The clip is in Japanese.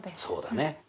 そうだね。